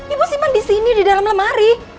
ibu simpan disini di dalam lemari